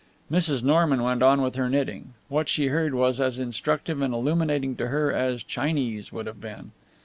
Mrs. Norman went on with her knitting. What she heard was as instructive and illuminating to her as Chinese would have been.